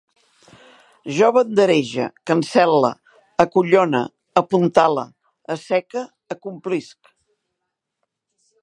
Jo banderege, cancel·le, acollone, apuntale, asseque, acomplisc